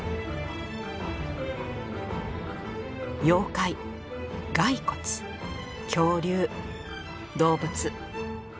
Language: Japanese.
妖怪骸骨恐竜動物。